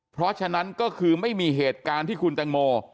เพราะฉะนั้นก็คือไม่มีเหตุการณ์ที่คุณแตงโม